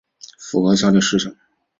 符合下列事项